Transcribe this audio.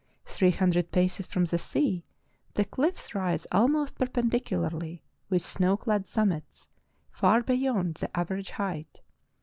Three hundred paces from the sea the cliffs rise almost perpendicularly, with snow clad summits, far beyond the average height.